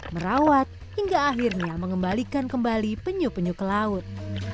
merawat hingga akhirnya mengembalikan kembali penyu penyu ke laut